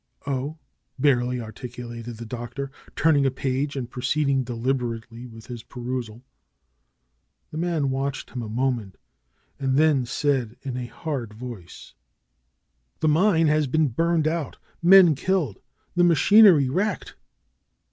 Oh!" barely articulated the Doctor, turning a page and proceeding deliberately with his perusal. The man watched him a moment and then said in a hard voice : 154 DR. SCHOLAR CRUTCH ^^The mine has been burned out; men killed; the machinery wrecked."